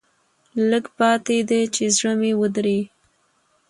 لېږ پاتې دي چې زړه مې ودري.